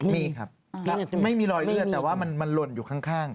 มีครับไม่มีรอยเลือดแต่ว่ามันหล่นอยู่ข้าง